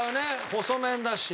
細麺だし。